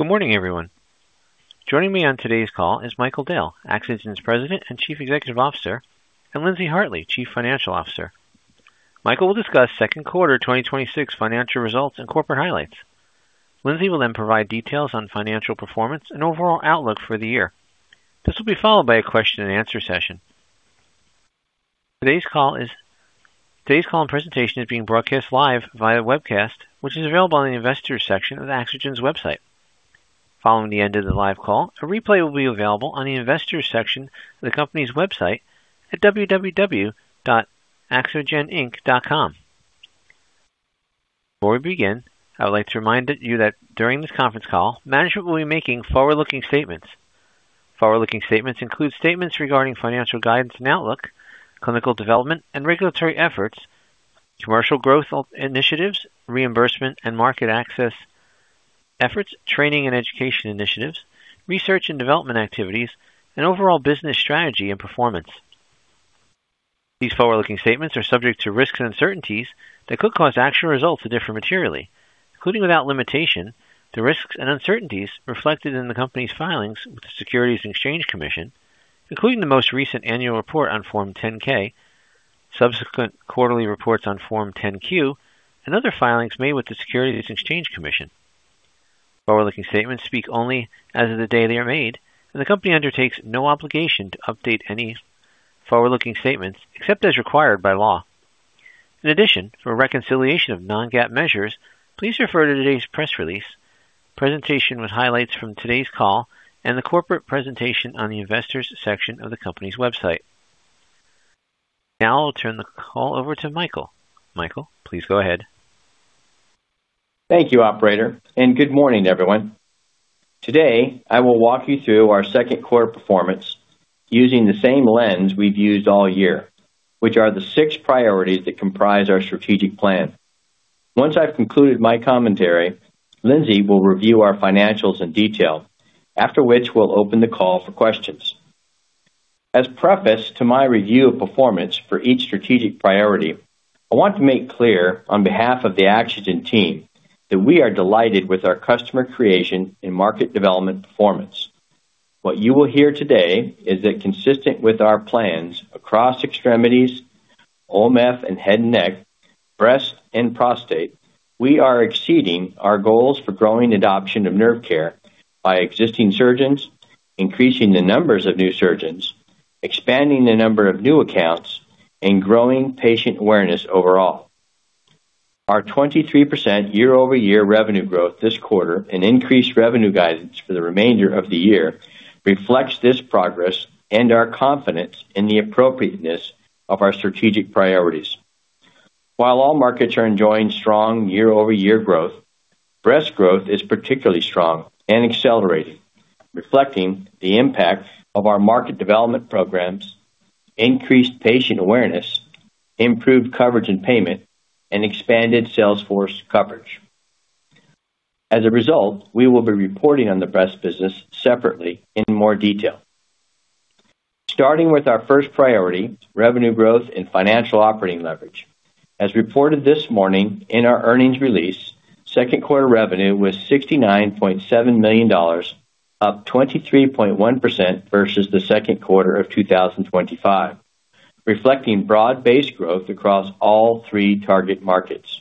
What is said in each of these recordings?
Good morning, everyone. Joining me on today's call is Michael Dale, Axogen's President and Chief Executive Officer, and Lindsey Hartley, Chief Financial Officer. Michael will discuss second quarter 2026 financial results and corporate highlights. Lindsey will then provide details on financial performance and overall outlook for the year. This will be followed by a question and answer session. Today's call and presentation is being broadcast live via webcast, which is available on the investors section of Axogen's website. Following the end of the live call, a replay will be available on the investors section of the company's website at www.axogeninc.com. Before we begin, I would like to remind you that during this conference call, management will be making forward-looking statements. Forward-looking statements include statements regarding financial guidance and outlook, clinical development and regulatory efforts, commercial growth initiatives, reimbursement and market access efforts, training and education initiatives, research and development activities, and overall business strategy and performance. These forward-looking statements are subject to risks and uncertainties that could cause actual results to differ materially, including, without limitation, the risks and uncertainties reflected in the company's filings with the Securities and Exchange Commission, including the most recent annual report on Form 10-K, subsequent quarterly reports on Form 10-Q, and other filings made with the Securities and Exchange Commission. Forward-looking statements speak only as of the day they are made, and the company undertakes no obligation to update any forward-looking statements except as required by law. In addition, for a reconciliation of non-GAAP measures, please refer to today's press release, presentation with highlights from today's call, and the corporate presentation on the investors section of the company's website. Now I'll turn the call over to Michael. Michael, please go ahead. Thank you, Operator, and good morning, everyone. Today, I will walk you through our second quarter performance using the same lens we've used all year, which are the six priorities that comprise our strategic plan. Once I've concluded my commentary, Lindsey will review our financials in detail, after which we'll open the call for questions. As preface to my review of performance for each strategic priority, I want to make clear on behalf of the Axogen team that we are delighted with our customer creation and market development performance. What you will hear today is that consistent with our plans across Extremities, OMF and Head and Neck, Breast, and Prostate, we are exceeding our goals for growing adoption of nerve care by existing surgeons, increasing the numbers of new surgeons, expanding the number of new accounts, and growing patient awareness overall. Our 23% year-over-year revenue growth this quarter and increased revenue guidance for the remainder of the year reflects this progress and our confidence in the appropriateness of our strategic priorities. While all markets are enjoying strong year-over-year growth, Breast growth is particularly strong and accelerating, reflecting the impact of our market development programs, increased patient awareness, improved coverage and payment, and expanded sales force coverage. As a result, we will be reporting on the Breast business separately in more detail. Starting with our first priority, revenue growth and financial operating leverage. As reported this morning in our earnings release, second quarter revenue was $69.7 million, up 23.1% versus the second quarter of 2025, reflecting broad-based growth across all three target markets.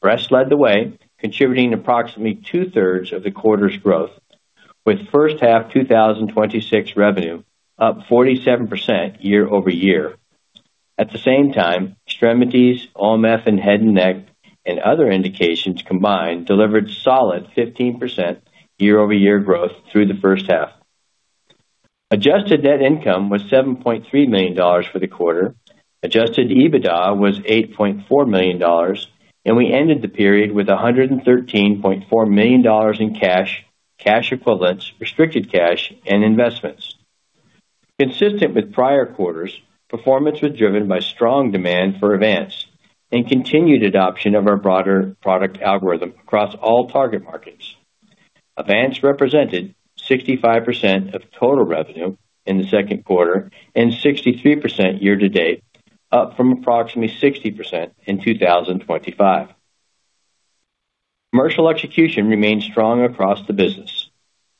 Breast led the way, contributing approximately 2/3 of the quarter's growth, with first half 2026 revenue up 47% year-over-year. At the same time, Extremities, OMF, and Head and Neck, and other indications combined delivered solid 15% year-over-year growth through the first half. Adjusted net income was $7.3 million for the quarter. Adjusted EBITDA was $8.4 million, and we ended the period with $113.4 million in cash equivalents, restricted cash, and investments. Consistent with prior quarters, performance was driven by strong demand for Avance and continued adoption of our broader product algorithm across all target markets. Avance represented 65% of total revenue in the second quarter and 63% year-to-date, up from approximately 60% in 2025. Commercial execution remained strong across the business.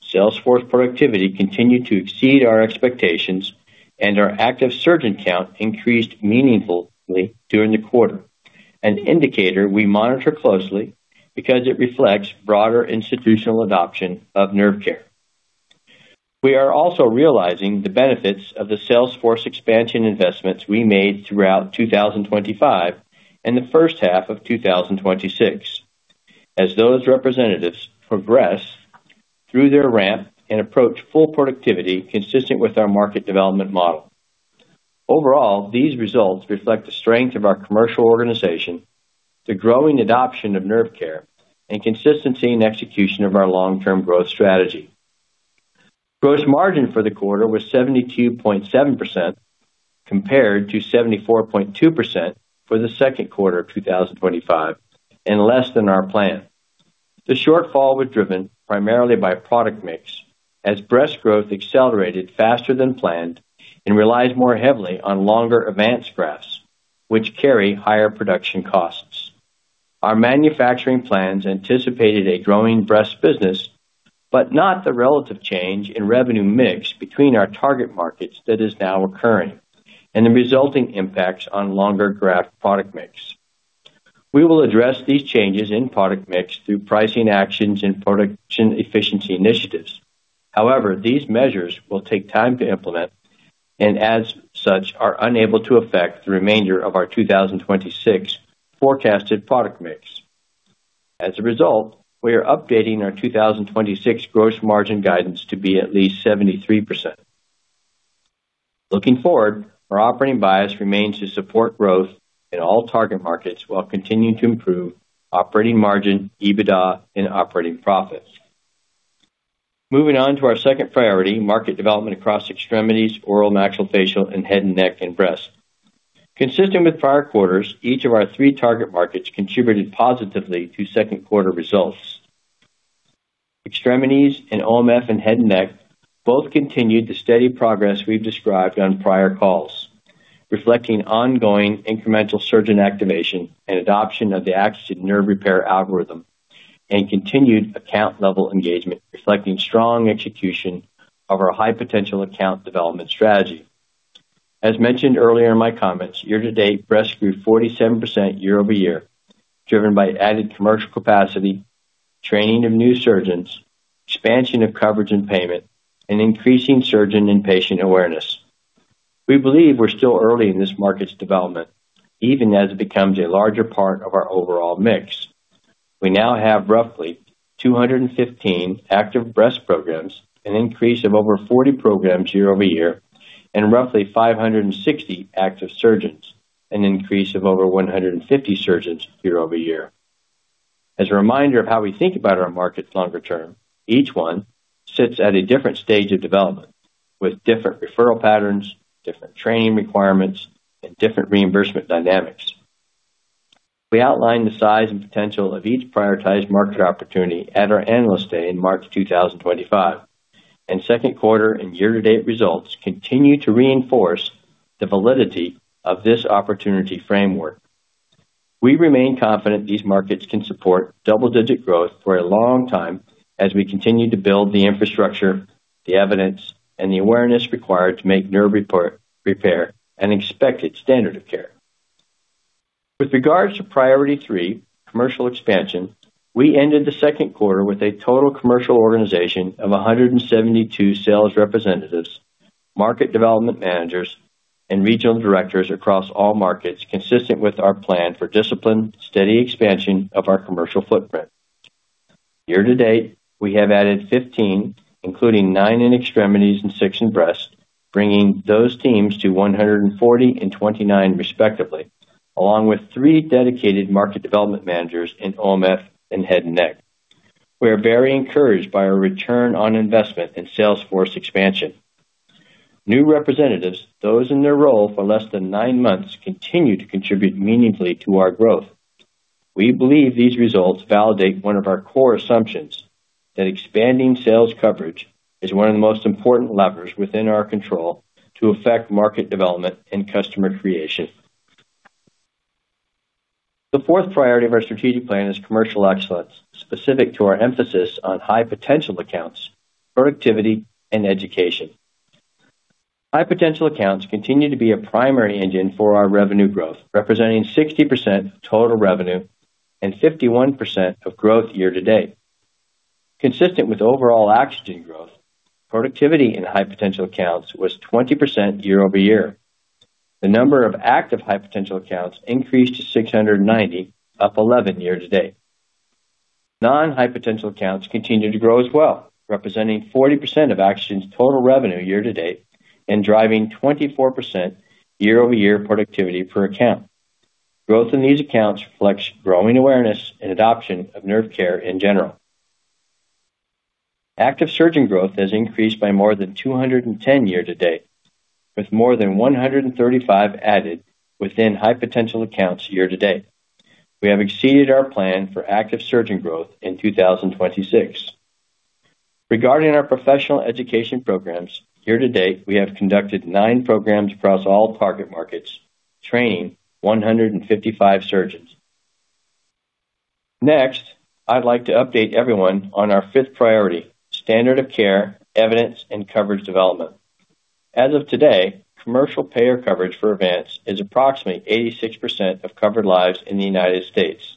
Sales force productivity continued to exceed our expectations, and our active surgeon count increased meaningfully during the quarter, an indicator we monitor closely because it reflects broader institutional adoption of nerve care. We are also realizing the benefits of the sales force expansion investments we made throughout 2025 and the first half of 2026, as those representatives progress through their ramp and approach full productivity consistent with our market development model. Overall, these results reflect the strength of our commercial organization, the growing adoption of nerve care, and consistency in execution of our long-term growth strategy. Gross margin for the quarter was 72.7%, compared to 74.2% for the second quarter of 2025 and less than our plan. The shortfall was driven primarily by product mix, as Breast growth accelerated faster than planned and relies more heavily on longer Avance grafts which carry higher production costs. Our manufacturing plans anticipated a growing Breast business, not the relative change in revenue mix between our target markets that is now occurring, and the resulting impacts on longer graft product mix. We will address these changes in product mix through pricing actions and production efficiency initiatives. These measures will take time to implement, and as such, are unable to affect the remainder of our 2026 forecasted product mix. We are updating our 2026 gross margin guidance to be at least 73%. Looking forward, our operating bias remains to support growth in all target markets, while continuing to improve operating margin, EBITDA, and operating profits. Moving on to our second priority, market development across Extremities, Oral and Maxillofacial, and Head and Neck, and Breast. Consistent with prior quarters, each of our three target markets contributed positively to second quarter results. Extremities and OMF and Head and Neck both continued the steady progress we've described on prior calls, reflecting ongoing incremental surgeon activation and adoption of the Axogen nerve repair algorithm, and continued account-level engagement, reflecting strong execution of our high-potential account development strategy. As mentioned earlier in my comments, year-to-date Breast grew 47% year-over-year, driven by added commercial capacity, training of new surgeons, expansion of coverage and payment, and increasing surgeon and patient awareness. We believe we're still early in this market's development, even as it becomes a larger part of our overall mix. We now have roughly 215 active Breast programs, an increase of over 40 programs year-over-year, and roughly 560 active surgeons, an increase of over 150 surgeons year-over-year. As a reminder of how we think about our markets longer term, each one sits at a different stage of development with different referral patterns, different training requirements, and different reimbursement dynamics. We outlined the size and potential of each prioritized market opportunity at our Analyst Day in March 2025. Second quarter and year-to-date results continue to reinforce the validity of this opportunity framework. We remain confident these markets can support double-digit growth for a long time as we continue to build the infrastructure, the evidence, and the awareness required to make nerve repair an expected standard of care. With regards to priority three, commercial expansion, we ended the second quarter with a total commercial organization of 172 sales representatives, market development managers, and regional directors across all markets, consistent with our plan for disciplined, steady expansion of our commercial footprint. Year-to-date, we have added 15, including nine in Extremities and six in Breast, bringing those teams to 140 and 29 respectively, along with three dedicated market development managers in OMF and Head and Neck. We are very encouraged by our return on investment in sales force expansion. New representatives, those in their role for less than nine months, continue to contribute meaningfully to our growth. We believe these results validate one of our core assumptions, that expanding sales coverage is one of the most important levers within our control to affect market development and customer creation. The fourth priority of our strategic plan is commercial excellence, specific to our emphasis on high-potential accounts, productivity, and education. High-potential accounts continue to be a primary engine for our revenue growth, representing 60% of total revenue and 51% of growth year-to-date. Consistent with overall Axogen growth, productivity in high-potential accounts was 20% year-over-year. The number of active high-potential accounts increased to 690, up 11 year-to-date. Non-high-potential accounts continue to grow as well, representing 40% of Axogen's total revenue year-to-date and driving 24% year-over-year productivity per account. Growth in these accounts reflects growing awareness and adoption of nerve care in general. Active surgeon growth has increased by more than 210 year-to-date, with more than 135 added within high-potential accounts year-to-date. We have exceeded our plan for active surgeon growth in 2026. Regarding our professional education programs, year-to-date, we have conducted nine programs across all target markets, training 155 surgeons. Next, I'd like to update everyone on our fifth priority, standard of care, evidence, and coverage development. As of today, commercial payer coverage for Avance is approximately 86% of covered lives in the United States.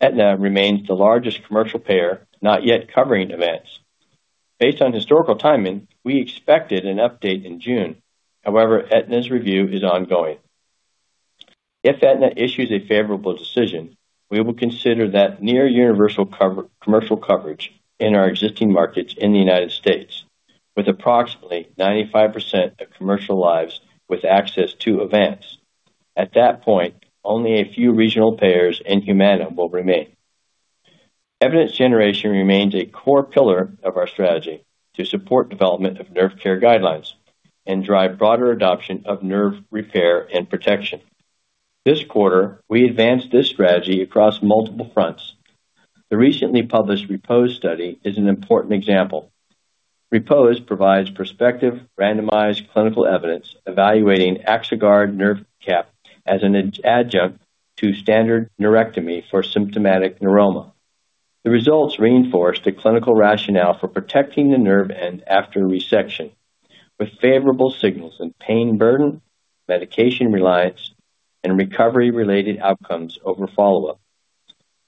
Aetna remains the largest commercial payer not yet covering Avance. Based on historical timing, we expected an update in June. However, Aetna's review is ongoing. If Aetna issues a favorable decision, we will consider that near universal commercial coverage in our existing markets in the United States, with approximately 95% of commercial lives with access to Avance. At that point, only a few regional payers and Humana will remain. Evidence generation remains a core pillar of our strategy to support development of nerve care guidelines and drive broader adoption of nerve repair and protection. This quarter, we advanced this strategy across multiple fronts. The recently published REPOSE study is an important example. REPOSE provides prospective, randomized clinical evidence evaluating Axoguard Nerve Cap as an adjunct to standard neurectomy for symptomatic neuroma. The results reinforce the clinical rationale for protecting the nerve end after resection, with favorable signals in pain burden, medication reliance, and recovery-related outcomes over follow-up.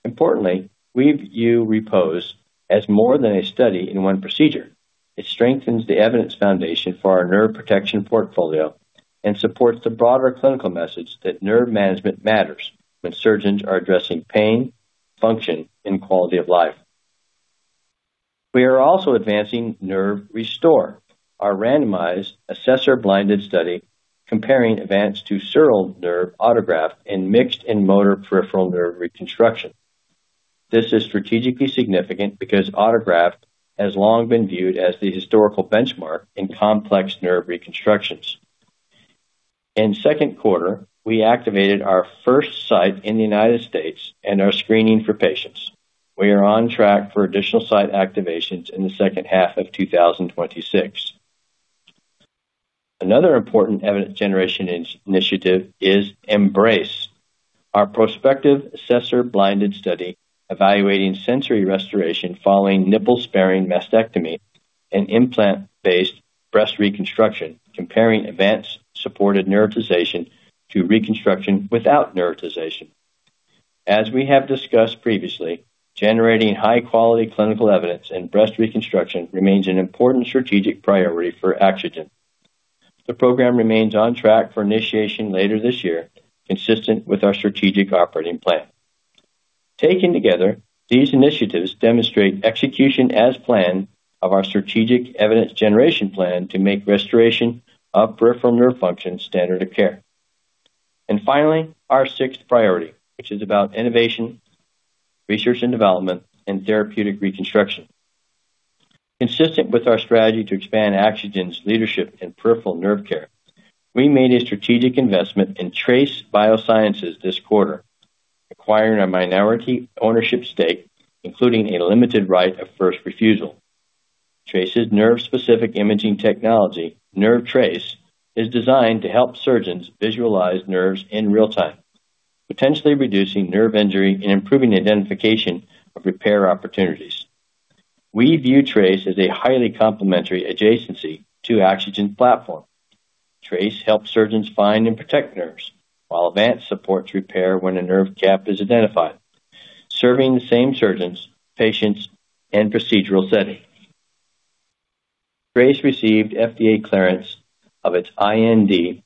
Importantly, we view REPOSE as more than a study in one procedure. It strengthens the evidence foundation for our nerve protection portfolio and supports the broader clinical message that nerve management matters when surgeons are addressing pain, function, and quality of life. We are also advancing Nerve-RESTORE, our randomized assessor blinded study comparing Avance to sural nerve autograft in mixed and motor peripheral nerve reconstruction. This is strategically significant because autograft has long been viewed as the historical benchmark in complex nerve reconstructions. In second quarter, we activated our first site in the United States and are screening for patients. We are on track for additional site activations in the second half of 2026. Another important evidence generation initiative is Embrace, our prospective assessor blinded study evaluating sensory restoration following nipple-sparing mastectomy and implant-based breast reconstruction, comparing Avance supported neurotization to reconstruction without neurotization. As we have discussed previously, generating high-quality clinical evidence in breast reconstruction remains an important strategic priority for Axogen. The program remains on track for initiation later this year, consistent with our strategic operating plan. Taken together, these initiatives demonstrate execution as planned of our strategic evidence generation plan to make restoration of peripheral nerve function standard of care. Finally, our sixth priority, which is about innovation, research and development, and therapeutic reconstruction. Consistent with our strategy to expand Axogen's leadership in peripheral nerve care, we made a strategic investment in Trace Biosciences this quarter, acquiring a minority ownership stake, including a limited right of first refusal. Trace's nerve-specific imaging technology, Nerve Trace, is designed to help surgeons visualize nerves in real time, potentially reducing nerve injury and improving identification of repair opportunities. We view Trace as a highly complementary adjacency to Axogen's platform. Trace helps surgeons find and protect nerves, while Avance supports repair when a nerve cap is identified, serving the same surgeons, patients, and procedural setting. Trace received FDA clearance of its IND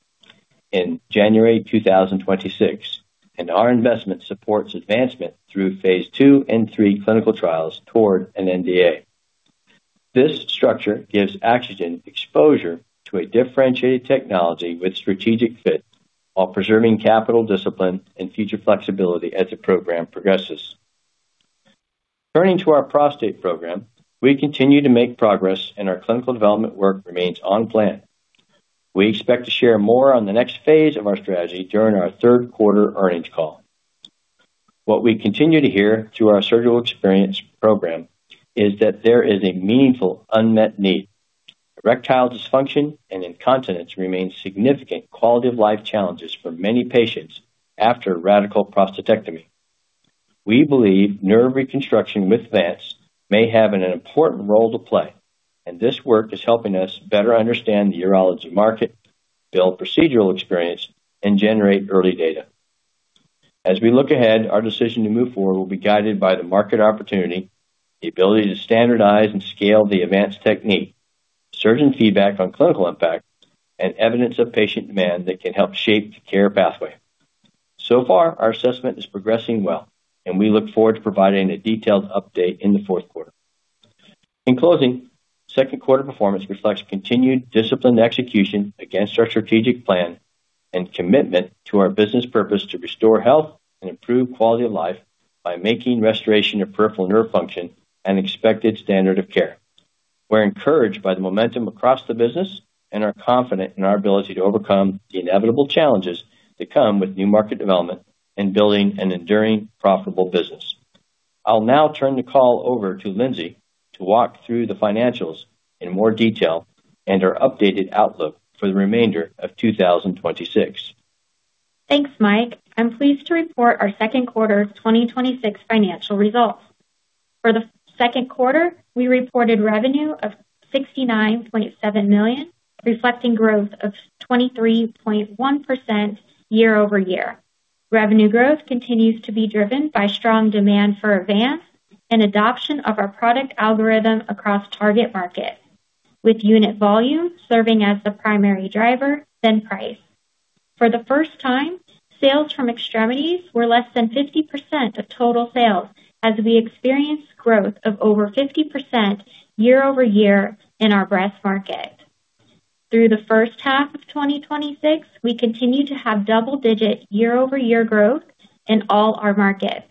in January 2026, and our investment supports advancement through phase II and III clinical trials toward an NDA. This structure gives Axogen exposure to a differentiated technology with strategic fit while preserving capital discipline and future flexibility as the program progresses. Turning to our Prostate program, we continue to make progress, and our clinical development work remains on plan. We expect to share more on the next phase of our strategy during our third quarter earnings call. What we continue to hear through our surgical experience program is that there is a meaningful unmet need. Erectile dysfunction and incontinence remain significant quality of life challenges for many patients after radical prostatectomy. We believe nerve reconstruction with Avance may have an important role to play, and this work is helping us better understand the urology market, build procedural experience, and generate early data. As we look ahead, our decision to move forward will be guided by the market opportunity, the ability to standardize and scale the Avance technique, surgeon feedback on clinical impact, and evidence of patient demand that can help shape the care pathway. So far, our assessment is progressing well, and we look forward to providing a detailed update in the fourth quarter. In closing, second quarter performance reflects continued disciplined execution against our strategic plan and commitment to our business purpose to restore health and improve quality of life by making restoration of peripheral nerve function an expected standard of care. We're encouraged by the momentum across the business and are confident in our ability to overcome the inevitable challenges that come with new market development and building an enduring, profitable business. I'll now turn the call over to Lindsey to walk through the financials in more detail and our updated outlook for the remainder of 2026. Thanks, Mike. I'm pleased to report our Q2 2026 financial results. For the second quarter, we reported revenue of $69.7 million, reflecting growth of 23.1% year-over-year. Revenue growth continues to be driven by strong demand for Avance and adoption of our product algorithm across target markets, with unit volume serving as the primary driver, then price. For the first time, sales from Extremities were less than 50% of total sales as we experienced growth of over 50% year-over-year in our Breast market. Through the first half of 2026, we continue to have double-digit year-over-year growth in all our markets.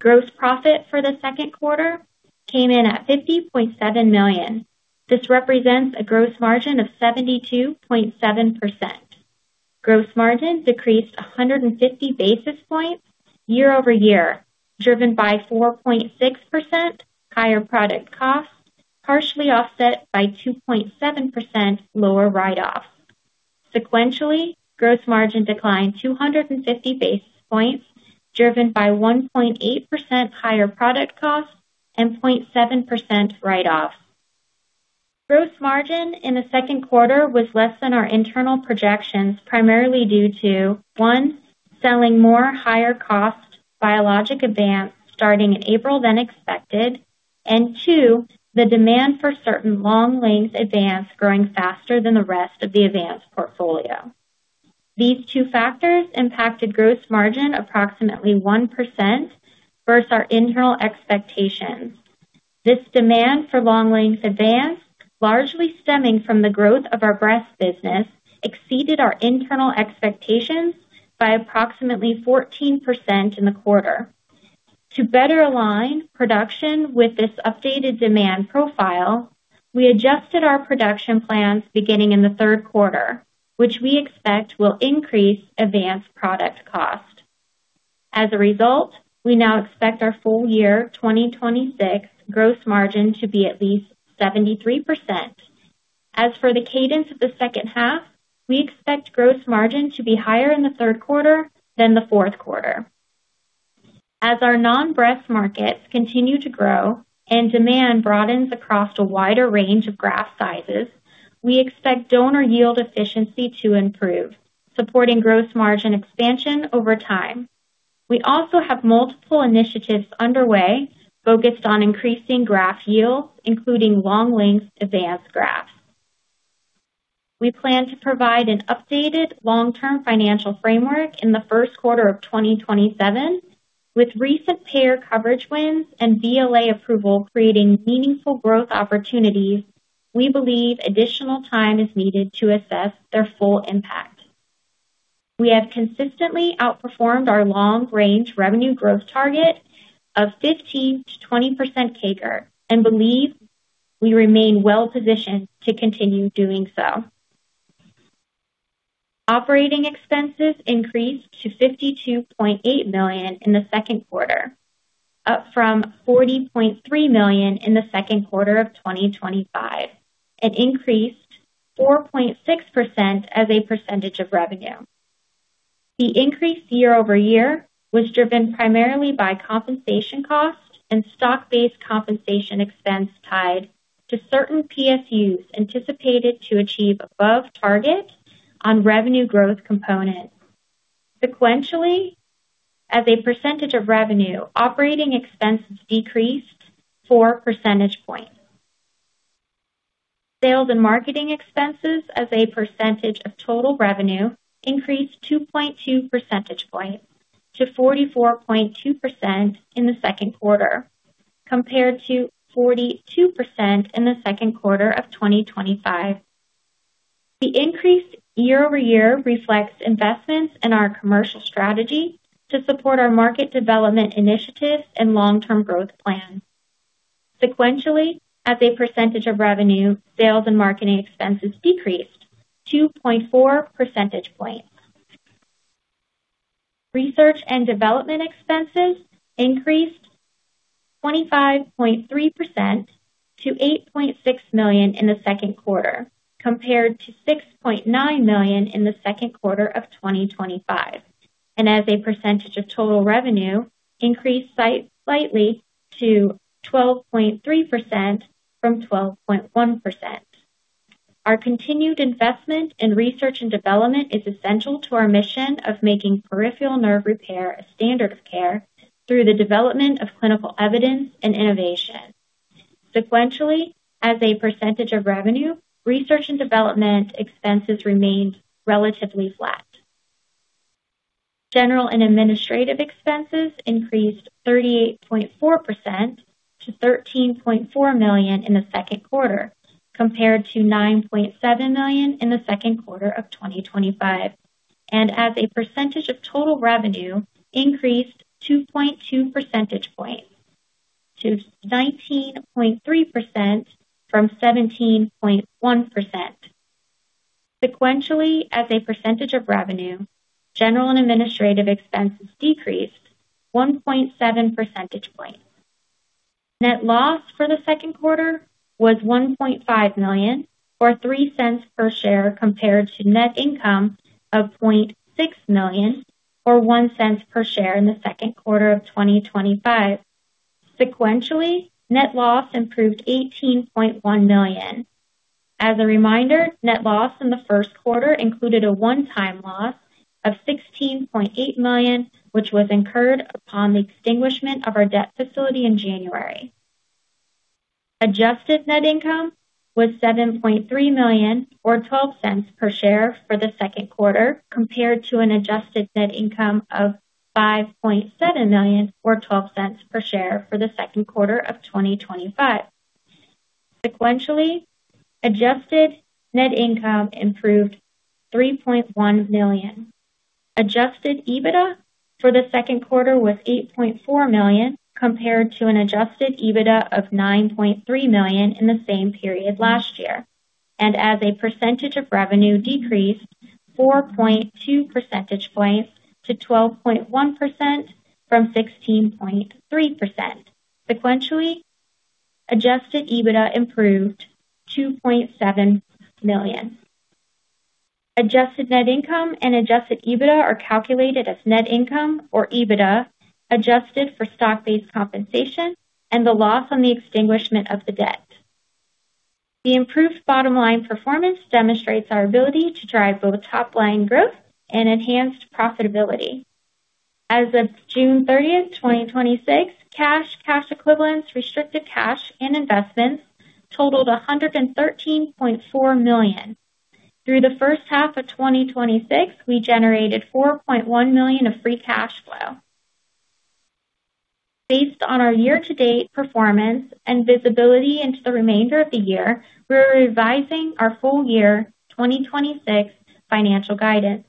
Gross profit for the second quarter came in at $50.7 million. This represents a gross margin of 72.7%. Gross margin decreased 150 basis points year-over-year, driven by 4.6% higher product costs, partially offset by 2.7% lower write-offs. Sequentially, gross margin declined 250 basis points, driven by 1.8% higher product costs and 0.7% write-offs. Gross margin in the second quarter was less than our internal projections, primarily due to, one, selling more higher-cost biologic Avance starting in April than expected, and two, the demand for certain long-length Avance growing faster than the rest of the Avance portfolio. These two factors impacted gross margin approximately 1% versus our internal expectations. This demand for long-length Avance, largely stemming from the growth of our Breast business, exceeded our internal expectations by approximately 14% in the quarter. To better align production with this updated demand profile, we adjusted our production plans beginning in the third quarter, which we expect will increase Avance product cost. As a result, we now expect our full year 2026 gross margin to be at least 73%. As for the cadence of the second half, we expect gross margin to be higher in the third quarter than the fourth quarter. As our non-breast markets continue to grow and demand broadens across a wider range of graft sizes, we expect donor yield efficiency to improve, supporting gross margin expansion over time. We also have multiple initiatives underway focused on increasing graft yield, including long-length Avance grafts. We plan to provide an updated long-term financial framework in the first quarter of 2027. With recent payer coverage wins and BLA approval creating meaningful growth opportunities, we believe additional time is needed to assess their full impact. We have consistently outperformed our long-range revenue growth target of 15%-20% CAGR and believe we remain well positioned to continue doing so. Operating expenses increased to $52.8 million in the second quarter, up from $40.3 million in the second quarter of 2025, and increased 4.6% as a percentage of revenue. The increase year-over-year was driven primarily by compensation costs and stock-based compensation expense tied to certain PSUs anticipated to achieve above target on revenue growth components. Sequentially, as a percentage of revenue, operating expenses decreased 4 percentage points. Sales and marketing expenses as a percentage of total revenue increased 2.2 percentage points to 44.2% in the second quarter, compared to 42% in the second quarter of 2025. The increase year-over-year reflects investments in our commercial strategy to support our market development initiatives and long-term growth plan. Sequentially, as a percentage of revenue, sales and marketing expenses decreased 2.4 percentage points. Research and development expenses increased 25.3% to $8.6 million in the second quarter, compared to $6.9 million in the second quarter of 2025, and as a percentage of total revenue, increased slightly to 12.3% from 12.1%. Our continued investment in research and development is essential to our mission of making peripheral nerve repair a standard of care through the development of clinical evidence and innovation. Sequentially, as a percentage of revenue, research and development expenses remained relatively flat. General and administrative expenses increased 38.4% to $13.4 million in the second quarter, compared to $9.7 million in the second quarter of 2025, and as a percentage of total revenue, increased 2.2 percentage points to 19.3% from 17.1%. Sequentially, as a percentage of revenue, general and administrative expenses decreased 1.7 percentage points. Net loss for the second quarter was $1.5 million or $0.03 per share, compared to net income of $0.6 million or $0.01 per share in the second quarter of 2025. Sequentially, net loss improved $18.1 million. As a reminder, net loss in the first quarter included a one-time loss of $16.8 million, which was incurred upon the extinguishment of our debt facility in January. Adjusted net income was $7.3 million or $0.12 per share for the second quarter, compared to an adjusted net income of $5.7 million or $0.12 per share for the second quarter of 2025. Sequentially, adjusted net income improved $3.1 million. Adjusted EBITDA for the second quarter was $8.4 million compared to an adjusted EBITDA of $9.3 million in the same period last year, and as a percentage of revenue decreased 4.2 percentage points to 12.1% from 16.3%. Sequentially, adjusted EBITDA improved to $2.7 million. Adjusted net income and adjusted EBITDA are calculated as net income or EBITDA adjusted for stock-based compensation and the loss on the extinguishment of the debt. The improved bottom-line performance demonstrates our ability to drive both top-line growth and enhanced profitability. As of June 30th, 2026, cash equivalents, restricted cash, and investments totaled $113.4 million. Through the first half of 2026, we generated $4.1 million of free cash flow. Based on our year-to-date performance and visibility into the remainder of the year, we're revising our full year 2026 financial guidance.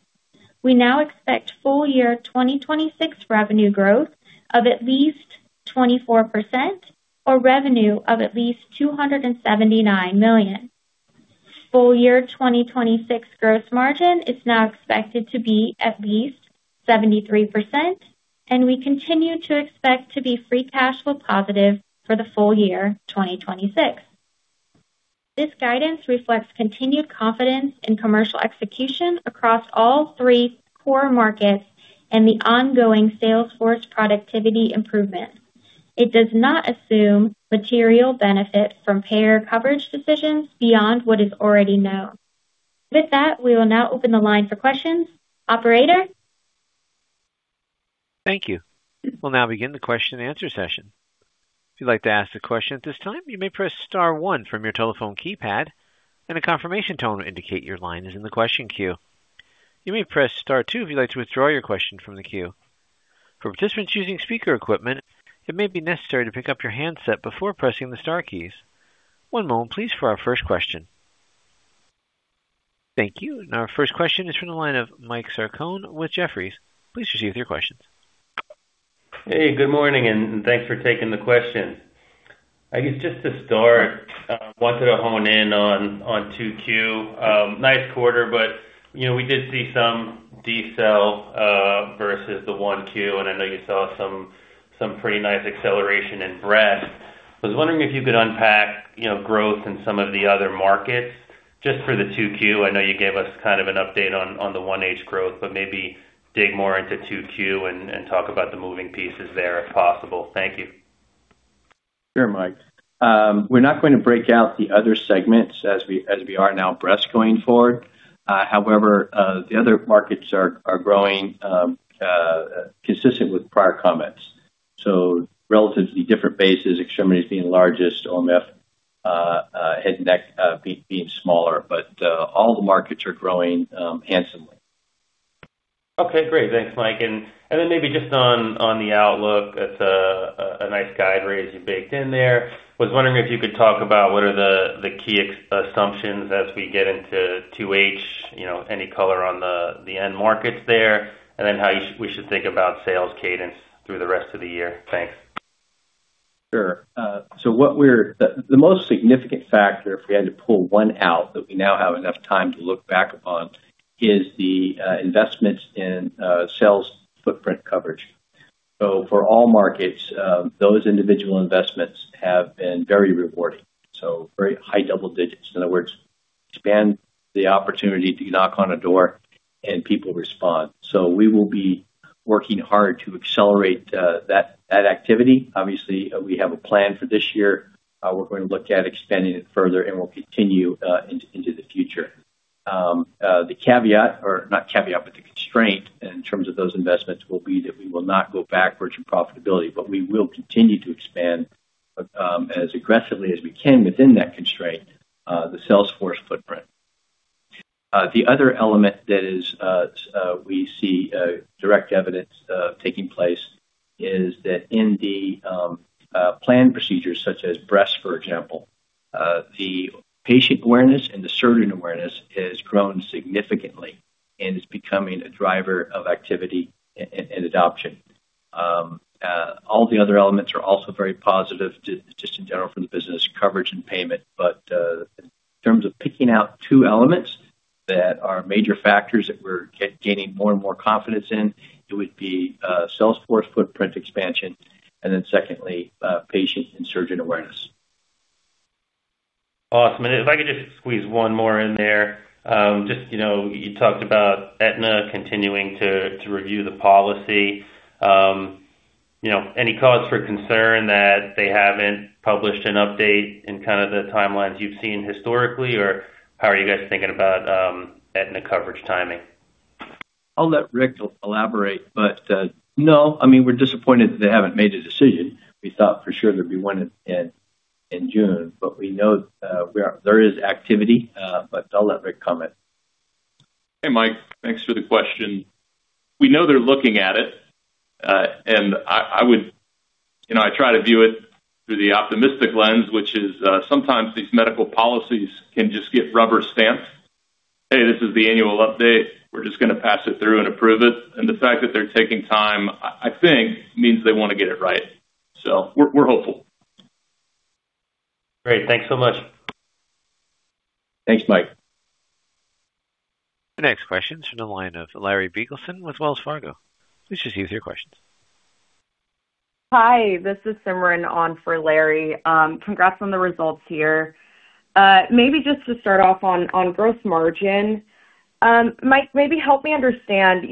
We now expect full year 2026 revenue growth of at least 24%, or revenue of at least $279 million. Full year 2026 gross margin is now expected to be at least 73%, and we continue to expect to be free cash flow positive for the full year 2026. This guidance reflects continued confidence in commercial execution across all three core markets and the ongoing sales force productivity improvements. It does not assume material benefit from payer coverage decisions beyond what is already known. With that, we will now open the line for questions. Operator? Thank you. We'll now begin the question and answer session. If you'd like to ask a question at this time, you may press star one from your telephone keypad, and a confirmation tone will indicate your line is in the question queue. You may press star two if you'd like to withdraw your question from the queue. For participants using speaker equipment, it may be necessary to pick up your handset before pressing the star keys. One moment please for our first question. Thank you. Our first question is from the line of Mike Sarcone with Jefferies. Please proceed with your questions. Hey, good morning, thanks for taking the question. I guess just to start, wanted to hone in on 2Q. Nice quarter, we did see some decel versus the 1Q, I know you saw some pretty nice acceleration in Breast. I was wondering if you could unpack growth in some of the other markets just for the 2Q. I know you gave us kind of an update on the 1H growth, maybe dig more into 2Q and talk about the moving pieces there if possible. Thank you. Sure, Mike. We're not going to break out the other segments as we are now Breast going forward. The other markets are growing consistent with prior comments. Relatively different bases, Extremities being largest, OMF, Head and Neck being smaller, all the markets are growing handsomely. Okay, great. Thanks, Mike. Maybe just on the outlook, it's a nice guide raise you baked in there. Was wondering if you could talk about what are the key assumptions as we get into 2H, any color on the end markets there, how we should think about sales cadence through the rest of the year. Thanks. Sure. The most significant factor, if we had to pull one out that we now have enough time to look back upon, is the investments in sales footprint coverage. For all markets, those individual investments have been very rewarding, so very high double digits. In other words, expand the opportunity to knock on a door and people respond. We will be working hard to accelerate that activity. Obviously, we have a plan for this year. We're going to look at extending it further, we'll continue into the future. The caveat, the constraint in terms of those investments will be that we will not go backwards in profitability, but we will continue to expand as aggressively as we can within that constraint, the sales force footprint. The other element that we see direct evidence of taking place is that in the planned procedures, such as Breast, for example, the patient awareness and the surgeon awareness has grown significantly and is becoming a driver of activity and adoption. All the other elements are also very positive just in general for the business, coverage and payment. In terms of picking out two elements that are major factors that we're gaining more and more confidence in, it would be sales force footprint expansion, secondly, patient and surgeon awareness. Awesome. If I could just squeeze one more in there. You talked about Aetna continuing to review the policy. Any cause for concern that they haven't published an update in the timelines you've seen historically? How are you guys thinking about Aetna coverage timing? I'll let Rick elaborate. No, we're disappointed that they haven't made a decision. We thought for sure there'd be one in June. We know there is activity, but I'll let Rick comment. Hey, Mike. Thanks for the question. We know they're looking at it. I try to view it through the optimistic lens, which is sometimes these medical policies can just get rubber stamped. "Hey, this is the annual update. We're just going to pass it through and approve it." The fact that they're taking time, I think, means they want to get it right. We're hopeful. Great. Thanks so much. Thanks, Mike. The next question's from the line of Larry Biegelsen with Wells Fargo. Please proceed with your questions. Hi, this is Simran on for Larry. Congrats on the results here. Maybe just to start off on gross margin. Mike, maybe help me understand,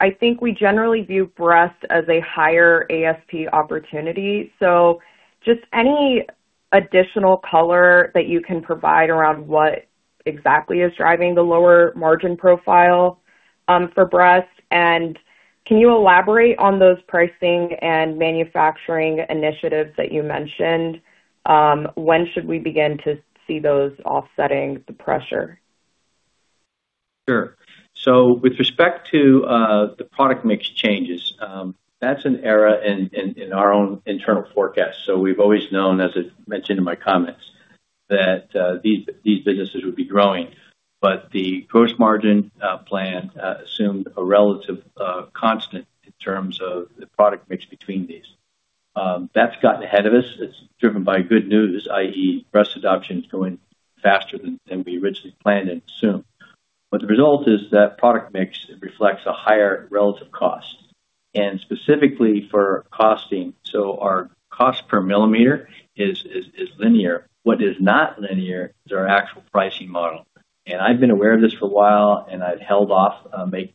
I think we generally view Breast as a higher ASP opportunity, so just any additional color that you can provide around what exactly is driving the lower margin profile for Breast. Can you elaborate on those pricing and manufacturing initiatives that you mentioned? When should we begin to see those offsetting the pressure? Sure. With respect to the product mix changes, that's an error in our own internal forecast. We've always known, as I mentioned in my comments, that these businesses would be growing, but the gross margin plan assumed a relative constant in terms of the product mix between these. That's gotten ahead of us. It's driven by good news, i.e., breast adoption is growing faster than we originally planned and assumed. The result is that product mix reflects a higher relative cost. Specifically for costing, our cost per millimeter is linear. What is not linear is our actual pricing model. I've been aware of this for a while, and I've held off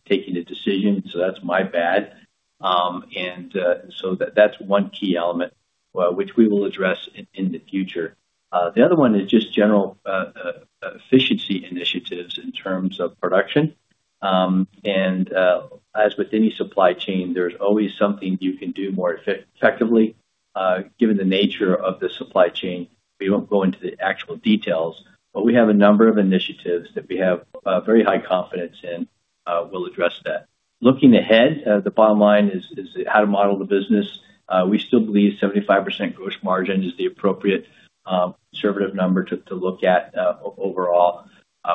taking a decision, so that's my bad. That's one key element which we will address in the future. The other one is just general efficiency initiatives in terms of production. As with any supply chain, there's always something you can do more effectively given the nature of the supply chain. We won't go into the actual details, but we have a number of initiatives that we have very high confidence in will address that. Looking ahead, the bottom line is how to model the business. We still believe 75% gross margin is the appropriate conservative number to look at overall.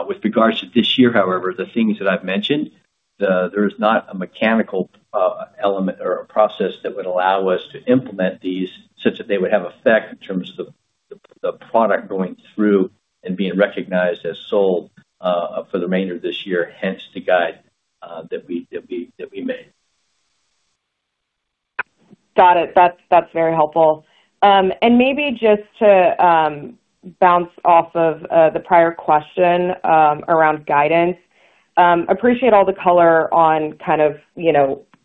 With regards to this year, however, the things that I've mentioned, there is not a mechanical element or a process that would allow us to implement these such that they would have effect in terms of the product going through and being recognized as sold for the remainder of this year, hence the guide that we made. Got it. That's very helpful. Maybe just to bounce off of the prior question around guidance. Appreciate all the color on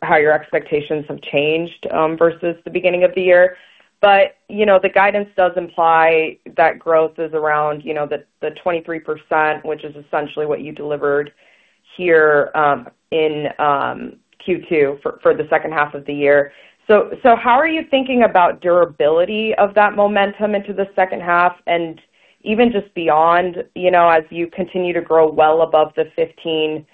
how your expectations have changed versus the beginning of the year. The guidance does imply that growth is around the 23%, which is essentially what you delivered here in Q2 for the second half of the year. How are you thinking about durability of that momentum into the second half and even just beyond as you continue to grow well above the 15%-20%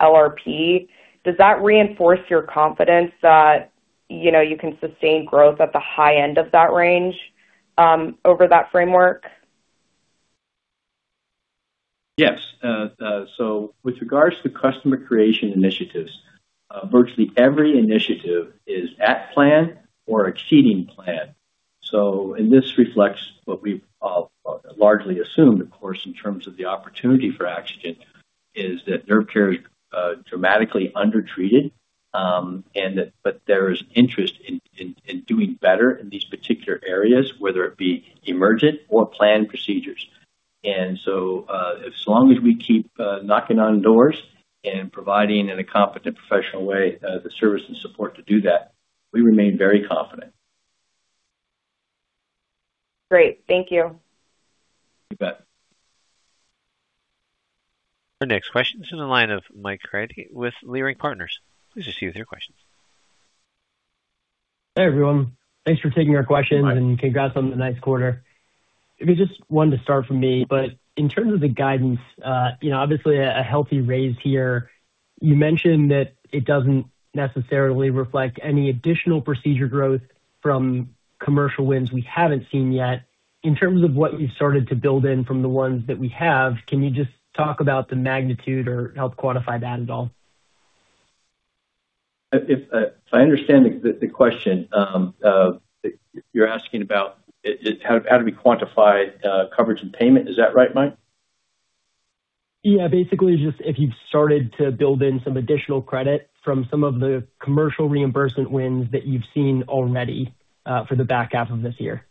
LRP? Does that reinforce your confidence that you can sustain growth at the high end of that range over that framework? Yes. With regards to customer creation initiatives, virtually every initiative is at plan or exceeding plan. This reflects what we've largely assumed, of course, in terms of the opportunity for Axogen, is that nerve care is dramatically undertreated, but there is interest in doing better in these particular areas, whether it be emergent or planned procedures. As long as we keep knocking on doors and providing in a competent, professional way the service and support to do that, we remain very confident. Great. Thank you. You bet. The next question is in the line of Mike Kratky with Leerink Partners. Please proceed with your questions. Hey, everyone. Thanks for taking our questions. Mike. Congrats on the nice quarter. Maybe just one to start from me. In terms of the guidance, obviously a healthy raise here. You mentioned that it doesn't necessarily reflect any additional procedure growth from commercial wins we haven't seen yet. In terms of what you've started to build in from the ones that we have, can you just talk about the magnitude or help quantify that at all? If I understand the question, you're asking about how do we quantify coverage and payment. Is that right, Mike? Yeah, basically just if you've started to build in some additional credit from some of the commercial reimbursement wins that you've seen already for the back half of this year.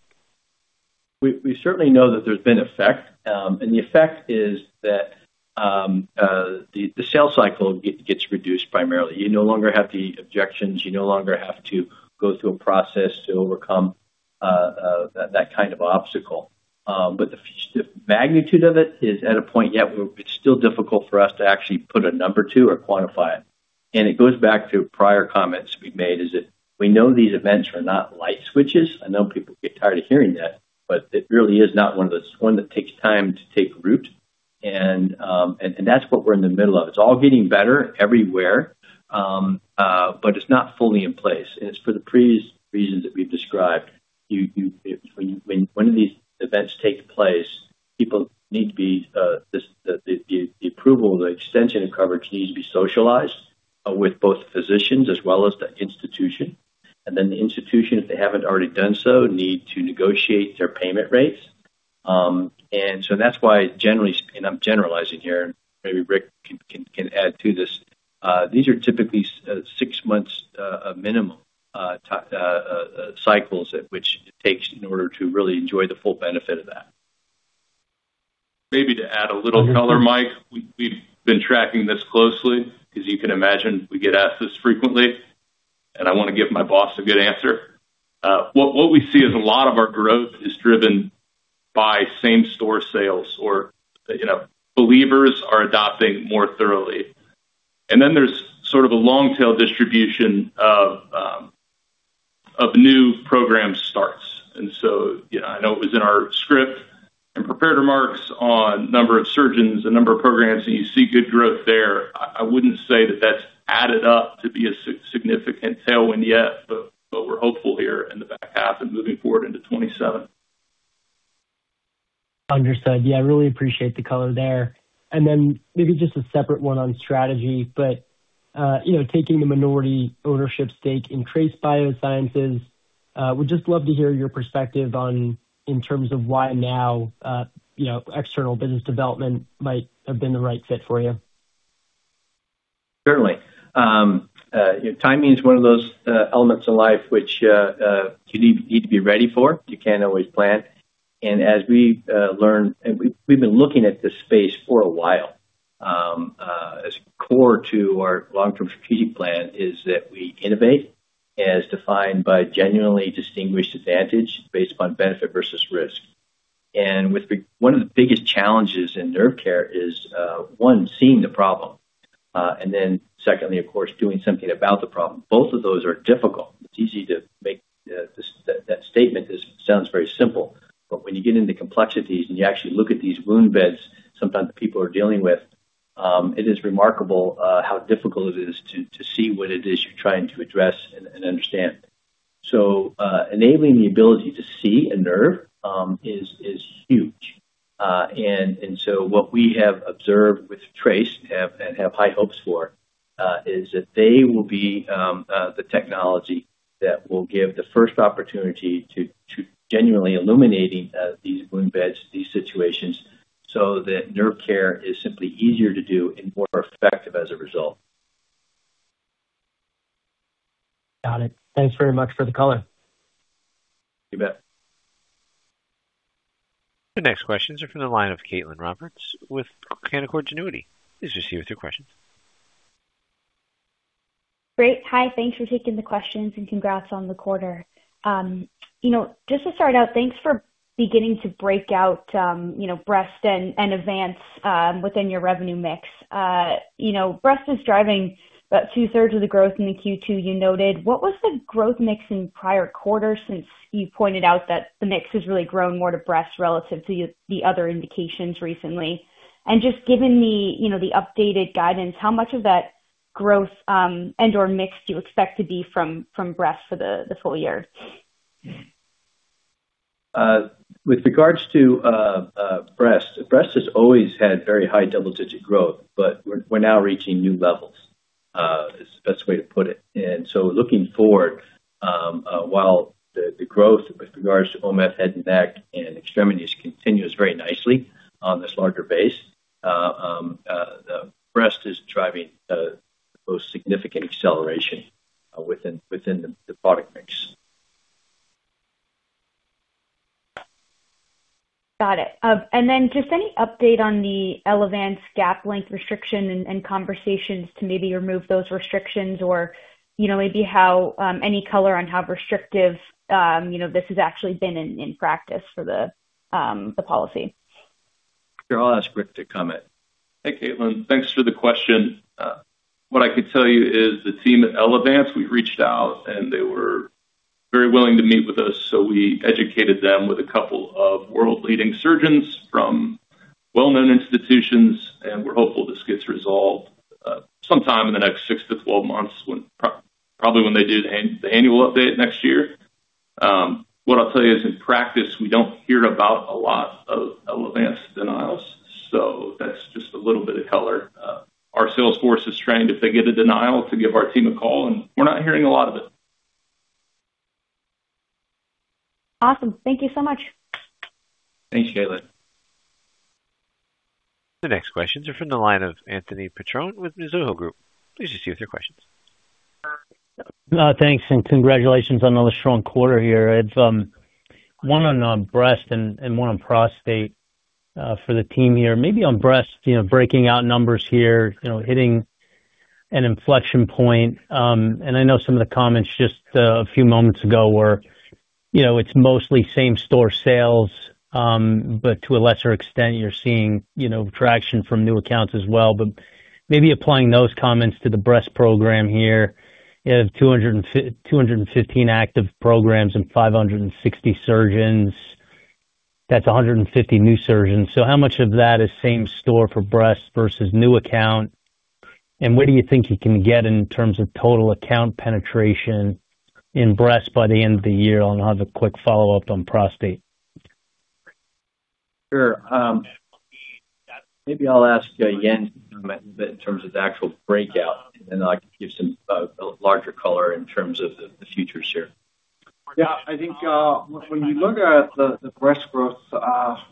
We certainly know that there's been effect. The effect is that the sales cycle gets reduced primarily. You no longer have the objections. You no longer have to go through a process to overcome that kind of obstacle. The magnitude of it is at a point yet where it's still difficult for us to actually put a number to or quantify it. It goes back to prior comments we've made, is that we know these events are not light switches. I know people get tired of hearing that, but it really is not one of those that takes time to take root. That's what we're in the middle of. It's all getting better everywhere, but it's not fully in place. It's for the previous reasons that we've described. When one of these events take place, the approval of the extension of coverage needs to be socialized with both physicians as well as the institution. Then the institution, if they haven't already done so, need to negotiate their payment rates. So that's why generally, I'm generalizing here, maybe Rick can add to this, these are typically 6 months minimum cycles at which it takes in order to really enjoy the full benefit of that. Maybe to add a little color, Mike, we've been tracking this closely because you can imagine we get asked this frequently, I want to give my boss a good answer. What we see is a lot of our growth is driven by same-store sales or believers are adopting more thoroughly. Then there's sort of a long tail distribution of new program starts. So, I know it was in our script and prepared remarks on number of surgeons, the number of programs, you see good growth there. I wouldn't say that that's added up to be a significant tailwind yet, but we're hopeful here in the back half and moving forward into 2027. Understood. Yeah, I really appreciate the color there. Then maybe just a separate one on strategy, but taking the minority ownership stake in Trace Biosciences, would just love to hear your perspective in terms of why now external business development might have been the right fit for you. Certainly. Timing is one of those elements in life which you need to be ready for. You can't always plan. As we've learned, we've been looking at this space for a while. As core to our long-term strategic plan is that we innovate as defined by genuinely distinguished advantage based upon benefit versus risk. One of the biggest challenges in nerve care is, one, seeing the problem, then secondly, of course, doing something about the problem. Both of those are difficult. It's easy to make that statement. It sounds very simple. When you get into complexities and you actually look at these wound beds sometimes people are dealing with, it is remarkable how difficult it is to see what it is you're trying to address and understand. Enabling the ability to see a nerve is huge. What we have observed with Trace and have high hopes for is that they will be the technology that will give the first opportunity to genuinely illuminating these wound beds, these situations, so that nerve care is simply easier to do and more effective as a result. Got it. Thanks very much for the color. You bet. The next questions are from the line of Caitlin Roberts with Canaccord Genuity. Please proceed with your questions. Great. Hi, thanks for taking the questions and congrats on the quarter. Just to start out, thanks for beginning to break out Breast and Avance within your revenue mix. Breast is driving about two-thirds of the growth in the Q2, you noted. What was the growth mix in prior quarters since you pointed out that the mix has really grown more to Breast relative to the other indications recently? Just given me the updated guidance, how much of that growth and/or mix do you expect to be from Breast for the full year? With regards to Breast has always had very high double-digit growth, but we're now reaching new levels, is the best way to put it. Looking forward, while the growth with regards to OMF, Head and Neck, and Extremities continues very nicely on this larger base, Breast is driving the most significant acceleration within the product mix. Got it. Just any update on the Elevance gap length restriction and conversations to maybe remove those restrictions or maybe any color on how restrictive this has actually been in practice for the policy? Sure. I'll ask Rick to comment. Hey, Caitlin. Thanks for the question. What I could tell you is the team at Elevance, we reached out, and they were very willing to meet with us. We educated them with a couple of world-leading surgeons from well-known institutions, and we're hopeful this gets resolved sometime in the next six to 12 months, probably when they do the annual update next year. What I'll tell you is in practice, we don't hear about a lot of Elevance denials. That's just a little bit of color. Our sales force is trained if they get a denial to give our team a call, and we're not hearing a lot of it. Awesome. Thank you so much. Thanks, Caitlin. The next questions are from the line of Anthony Petrone with Mizuho Group. Please proceed with your questions. Thanks. Congratulations on another strong quarter here. It's one on Breast and one on Prostate for the team here. Maybe on Breast, breaking out numbers here, hitting an inflection point. I know some of the comments just a few moments ago were it's mostly same-store sales, but to a lesser extent, you're seeing traction from new accounts as well. Maybe applying those comments to the Breast program here. You have 215 active programs and 560 surgeons. That's 150 new surgeons. How much of that is same store for Breast versus new account? Where do you think you can get in terms of total account penetration in Breast by the end of the year? I'll have a quick follow-up on Prostate. Sure. Maybe I'll ask Jens to comment a bit in terms of the actual breakout, and then I can give some larger color in terms of the future here. Yeah, I think when you look at the Breast growth,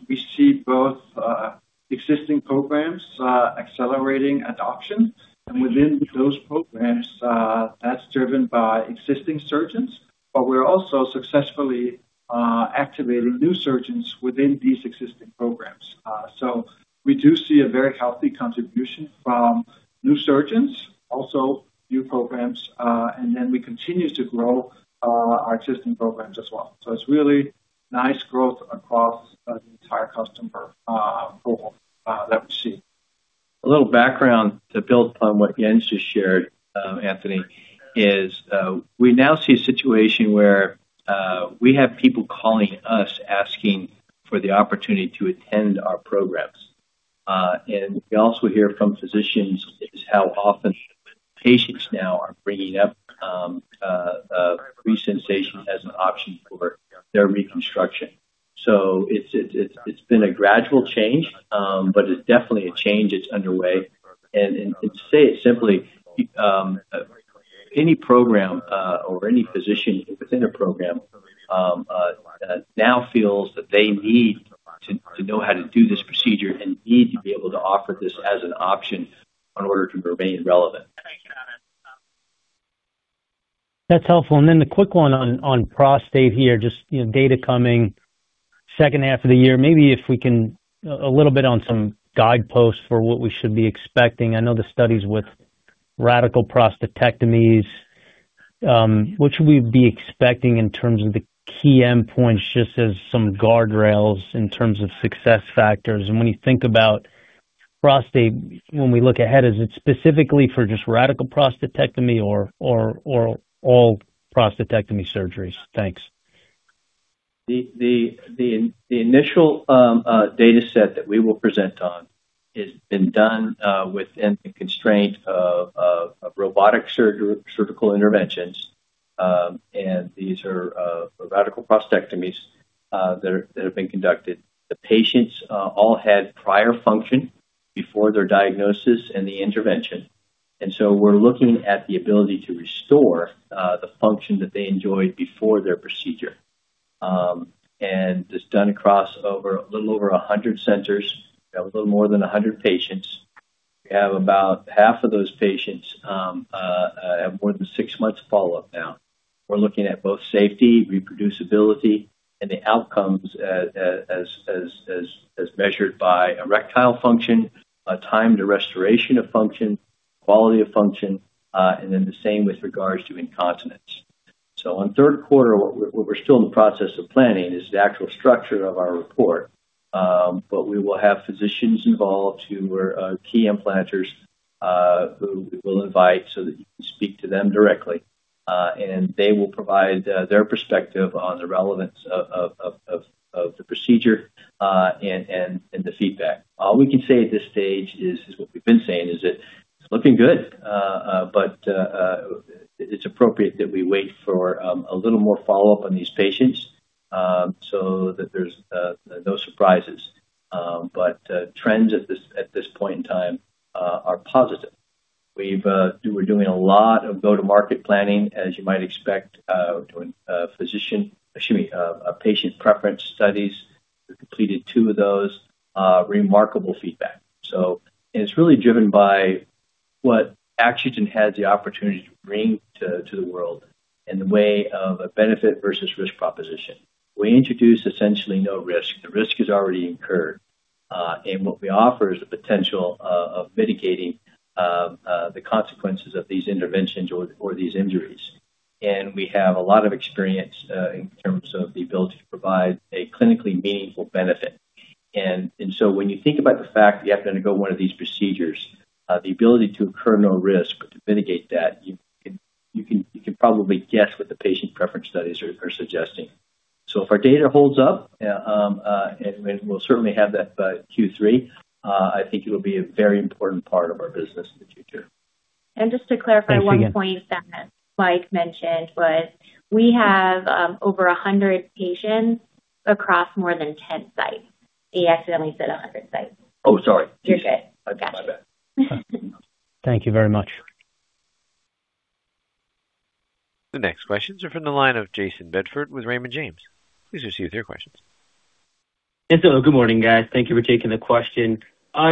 we see both existing programs accelerating adoption. Within those programs, that's driven by existing surgeons, but we're also successfully activating new surgeons within these existing programs. We do see a very healthy contribution from new surgeons, also new programs, and then we continue to grow our existing programs as well. It's really nice growth across the entire customer pool that we see. A little background to build upon what Jens just shared, Anthony, is we now see a situation where we have people calling us, asking for the opportunity to attend our programs. We also hear from physicians is how often patients now are bringing up Resensation as an option for their reconstruction. It's been a gradual change, but it's definitely a change that's underway. To say it simply, any program or any physician within a program now feels that they need to know how to do this procedure and need to be able to offer this as an option in order to remain relevant. That's helpful. The quick one on Prostate here, just data coming second half of the year. Maybe if we can a little bit on some guideposts for what we should be expecting. I know the studies with radical prostatectomies. What should we be expecting in terms of the key endpoints just as some guardrails in terms of success factors? When you think about Prostate, when we look ahead, is it specifically for just radical prostatectomy or all prostatectomy surgeries? Thanks. The initial data set that we will present on has been done within the constraint of robotic surgical interventions. These are radical prostatectomies that have been conducted. The patients all had prior function before their diagnosis and the intervention. We're looking at the ability to restore the function that they enjoyed before their procedure. It's done across a little over 100 centers. We have a little more than 100 patients. We have about half of those patients have more than six months follow-up now. We're looking at both safety, reproducibility, and the outcomes as measured by erectile function, time to restoration of function, quality of function, and the same with regards to incontinence. On third quarter, what we're still in the process of planning is the actual structure of our report. We will have physicians involved who are key implanters who we'll invite so that you can speak to them directly. They will provide their perspective on the relevance of the procedure and the feedback. All we can say at this stage is what we've been saying, is that it's looking good. It's appropriate that we wait for a little more follow-up on these patients so that there's no surprises. Trends at this point in time are positive. We're doing a lot of go-to-market planning, as you might expect, doing physician, excuse me, patient preference studies. We've completed two of those. Remarkable feedback. It's really driven by what Axogen has the opportunity to bring to the world in the way of a benefit versus risk proposition. We introduce essentially no risk. The risk is already incurred. What we offer is the potential of mitigating the consequences of these interventions or these injuries. We have a lot of experience in terms of the ability to provide a clinically meaningful benefit. When you think about the fact that you have to undergo one of these procedures, the ability to incur no risk or to mitigate that, you can probably guess what the patient preference studies are suggesting. If our data holds up, and we'll certainly have that by Q3, I think it will be a very important part of our business in the future. Just to clarify one point that Mike mentioned was we have over 100 patients across more than 10 sites. He accidentally said 100 sites. Oh, sorry. You're good. My bad. Thank you very much. The next questions are from the line of Jayson Bedford with Raymond James. Please proceed with your questions. Good morning, guys. Thank you for taking the question.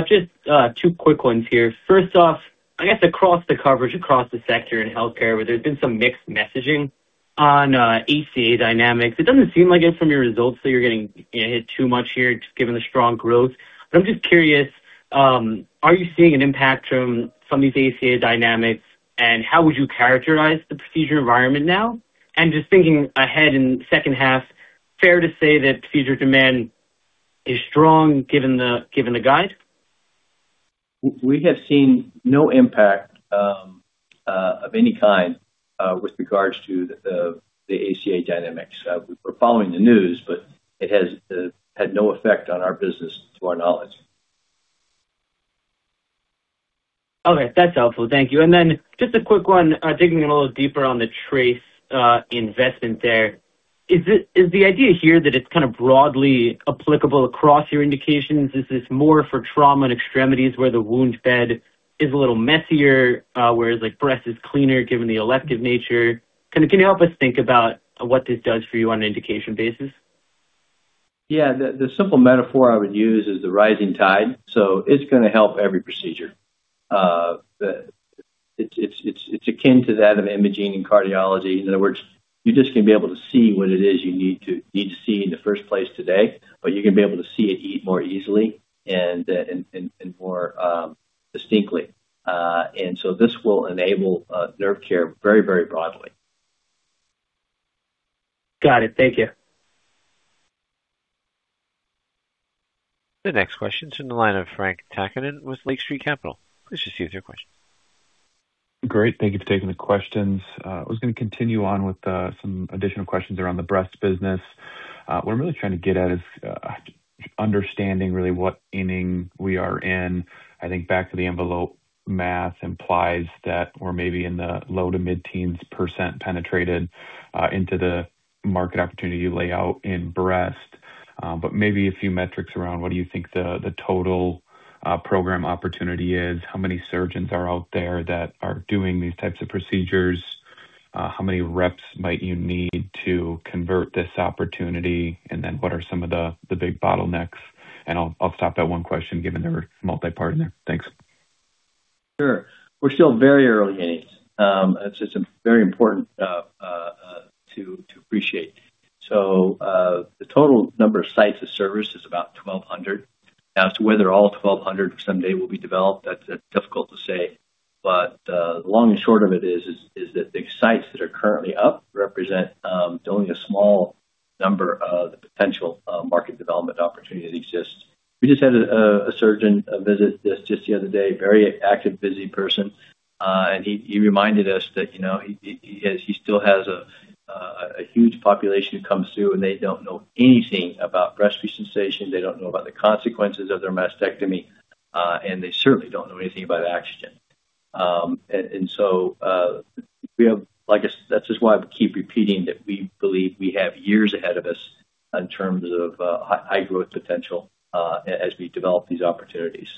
Just two quick ones here. First off, I guess across the coverage, across the sector in healthcare, where there's been some mixed messaging on ACA dynamics, it doesn't seem like it from your results that you're getting hit too much here, just given the strong growth. I'm just curious, are you seeing an impact from some of these ACA dynamics, and how would you characterize the procedure environment now? Just thinking ahead in the second half, fair to say that procedure demand is strong given the guide? We have seen no impact of any kind with regards to the ACA dynamics. We're following the news, but it has had no effect on our business to our knowledge. Okay. That's helpful. Thank you. Just a quick one, digging a little deeper on the Trace investment there. Is the idea here that it's kind of broadly applicable across your indications? Is this more for trauma and extremities where the wound bed is a little messier, whereas Breast is cleaner, given the elective nature? Can you help us think about what this does for you on an indication basis? Yeah. The simple metaphor I would use is the rising tide. It's going to help every procedure. It's akin to that of imaging and cardiology. In other words, you just can't be able to see what it is you need to see in the first place today, but you're going to be able to see it more easily and more distinctly. This will enable nerve care very broadly. Got it. Thank you. The next question is in the line of Frank Takkinen with Lake Street Capital. Please proceed with your question. Great. Thank you for taking the questions. I was going to continue on with some additional questions around the Breast business. What I'm really trying to get at is understanding really what inning we are in. I think back of the envelope math implies that we're maybe in the low to mid-teens percent penetrated into the market opportunity layout in Breast. Maybe a few metrics around what do you think the total program opportunity is? How many surgeons are out there that are doing these types of procedures? How many reps might you need to convert this opportunity? What are some of the big bottlenecks? I'll stop at one question given they were multipart there. Thanks. Sure. We're still very early innings. It's just very important to appreciate. The total number of sites of service is about 1,200. As to whether all 1,200 someday will be developed, that's difficult to say. The long and short of it is that the sites that are currently up represent only a small number of the potential market development opportunities exist. We just had a surgeon visit just the other day, very active, busy person. He reminded us that he still has a huge population who comes through, and they don't know anything about Breast Resensation. They don't know about the consequences of their mastectomy, and they certainly don't know anything about Axogen. That's just why I keep repeating that we believe we have years ahead of us in terms of high growth potential as we develop these opportunities.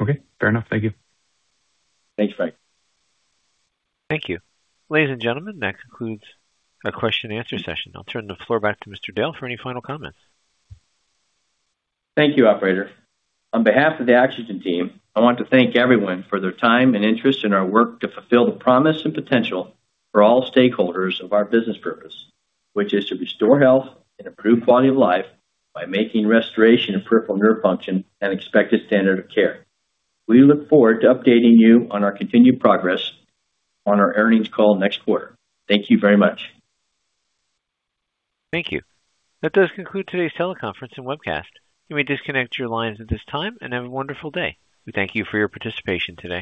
Okay. Fair enough. Thank you. Thanks, Frank. Thank you. Ladies and gentlemen, that concludes our question and answer session. I'll turn the floor back to Mr. Dale for any final comments. Thank you, Operator. On behalf of the Axogen team, I want to thank everyone for their time and interest in our work to fulfill the promise and potential for all stakeholders of our business purpose, which is to restore health and improve quality of life by making restoration of peripheral nerve function an expected standard of care. We look forward to updating you on our continued progress on our earnings call next quarter. Thank you very much. Thank you. That does conclude today's teleconference and webcast. You may disconnect your lines at this time and have a wonderful day. We thank you for your participation today.